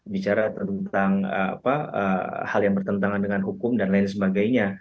bicara tentang hal yang bertentangan dengan hukum dan lain sebagainya